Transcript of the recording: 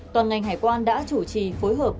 toàn ngành hải quan đã chủ trì phối hợp